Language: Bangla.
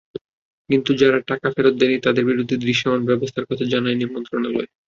কিন্তু যারা টাকা ফেরত দেয়নি, তাদের বিরুদ্ধে দৃশ্যমান ব্যবস্থার কথা জানায়নি মন্ত্রণালয়।